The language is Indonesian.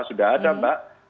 sudah ada mbak